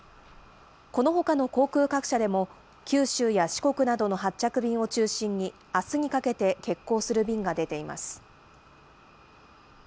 このほかの航空各社でも、九州や四国などの発着便を中心に、あすにかけて欠航する便が出ています。